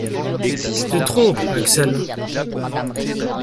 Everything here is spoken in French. Tu te trompes, Axel !